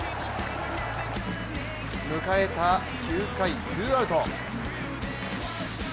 迎えた９回、ツーアウト。